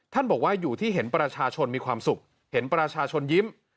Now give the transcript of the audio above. บอกว่าอยู่ที่เห็นประชาชนมีความสุขเห็นประชาชนยิ้ม